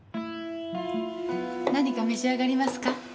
何か召し上がりますか？